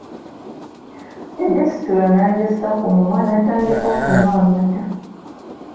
Yagisitula n'agissa ku mumwa natandika okunywa amaata .